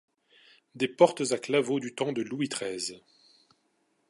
Des portes à claveaux du temps de Loùis treize